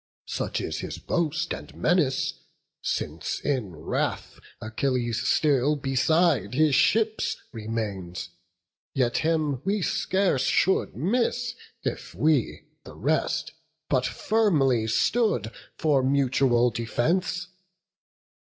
Such is his boast and menace, since in wrath Achilles still beside his ships remains. Yet him we scarce should miss, if we, the rest, But firmly stood for mutual defence.